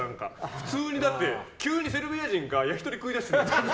普通に急にセルビア人が焼き鳥食いだして。